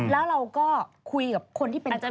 แล้วเราก็คุยกับคนที่เป็นเพื่อน